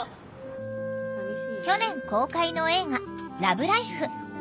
去年公開の映画「ＬＯＶＥＬＩＦＥ」